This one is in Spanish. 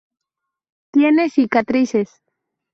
Tiene cicatrices.